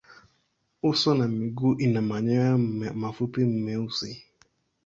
Uso na miguu ina manyoya mafupi meusi.